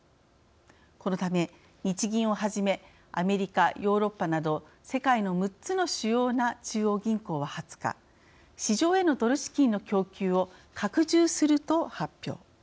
このため、日銀をはじめアメリカ、ヨーロッパなど世界の６つの主要な中央銀行は２０日、市場へのドル資金の供給を拡充すると発表。